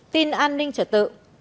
tin an ninh trở tự